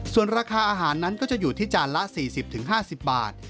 ส่วนราคาอาหารนั้นก็จะอยู่ที่จานละ๔๐๕๐บาท